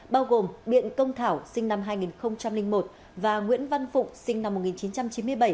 bao gồm biện công thảo sinh năm hai nghìn một và nguyễn văn phụng sinh năm một nghìn chín trăm chín mươi bảy